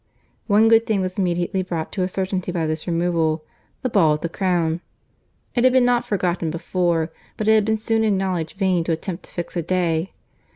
One good thing was immediately brought to a certainty by this removal,—the ball at the Crown. It had not been forgotten before, but it had been soon acknowledged vain to attempt to fix a day.